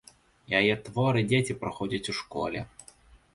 Яе творы дзеці праходзяць у школе.